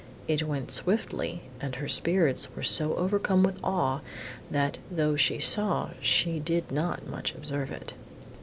It went swiftly, and her spirits were so overcome with awe, that, though she saw, she did not much observe it.